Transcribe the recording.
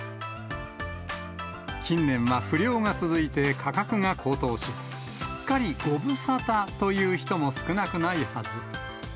近年は不漁が続いて価格が高騰し、すっかりご無沙汰という人も少なくないはず。